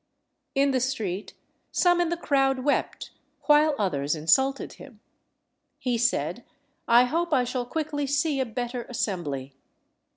In the street some in the crowd wept, while others insulted him. He said, "I hope I shall quickly see a better assembly."